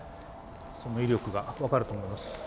その威力が分かると思います。